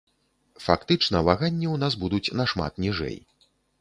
Фактычна ваганні ў нас будуць нашмат ніжэй.